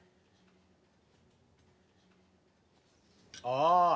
ああ。